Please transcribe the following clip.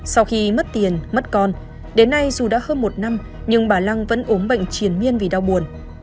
sau khi mất tiền mất con đến nay dù đã hơn một năm nhưng bà lăng vẫn ốm bệnh triển miên vì đau buồn